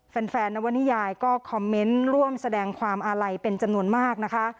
แฟนนวนิยายก็คอมเมนต์ร่วมแสดงความอาลัยเป็นจำนวนมากนะคะ